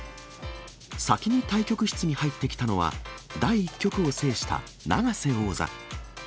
先に対局室に入ってきたのは、第１局を制した永瀬王座。